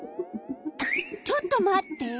ちょっと待って。